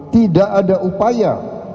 tidak ada upaya